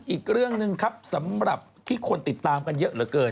อีกเรื่องหนึ่งครับสำหรับที่คนติดตามกันเยอะเหลือเกิน